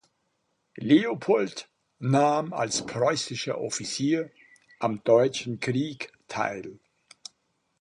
Leopold nahm als preußischer Offizier am Deutschen Krieg teil.